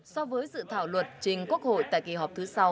so với dự thảo luật trình quốc hội tại kỳ họp thứ sáu